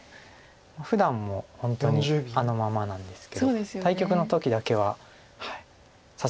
ふだんも本当にあのままなんですけど対局の時だけはさすがに厳しい表情を。